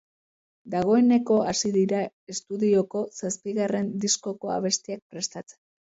Dagoeneko hasi dira estudioko zazpigarren diskoko abestiak prestatzen.